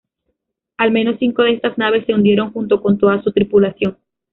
Al menos cinco de estas naves se hundieron junto con toda su tripulación.